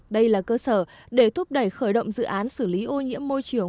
đây là cơ sở để thúc đẩy khởi động dự án xử lý ô nhiễm môi trường